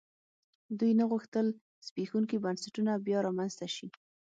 دوی نه غوښتل زبېښونکي بنسټونه بیا رامنځته شي.